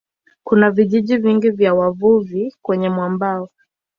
Kuna vijiji vingi vya wavuvi kwenye mwambao.